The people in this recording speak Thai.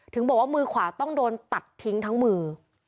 ถึงบอกว่ามือขวาต้องโดนตัดทิ้งทั้งมือ